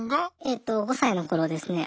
えと５歳の頃ですね。